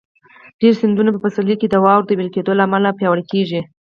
ډېری سیندونه په پسرلي کې د واورو د وېلې کېدو له امله پیاوړي کېږي.